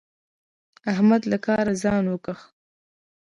احمد له کاره ځان وکيښ.